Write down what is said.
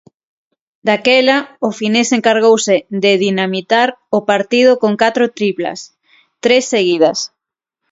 Daquela, o finés encargouse de dinamitar o partido con catro triplas, tres seguidas.